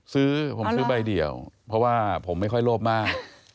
ซื้อผมซื้อใบเดียวเพราะว่าผมไม่ค่อยโลภมาก